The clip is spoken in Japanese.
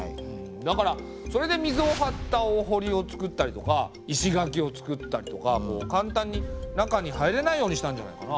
だからそれで水を張ったおほりをつくったりとか石垣をつくったりとか簡単に中に入れないようにしたんじゃないかな？